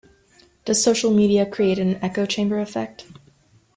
Does social media create an echo chamber effect?